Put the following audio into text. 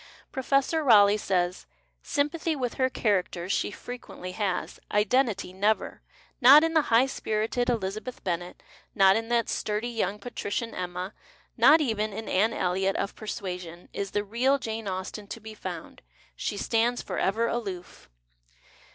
Professor Raleigh says :—" Sympathy with her characters she frequently has, identity never. Not in the high spirited Eliza beth Bennet, iiol in that sturdy young patrician 261 PASTICHE AND PREJUDICE Emma, not even in Anne Elliot of ' Persuasion,' is the real Jane Austen to be found. She stands for ever aloof."